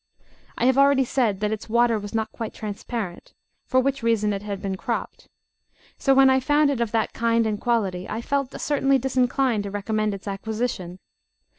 I have already said that its water was not quite transparent, for which reason it had been cropped; so, when I found it of that kind and quality, I felt certainly disinclined to recommend its acquisition.